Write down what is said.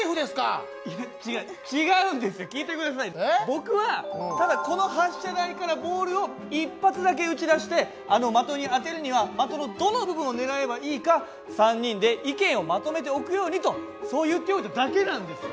僕はただこの発射台からボールを一発だけ撃ち出してあの的に当てるには的のどの部分をねらえばいいか３人で意見をまとめておくようにとそう言っておいただけなんですよ。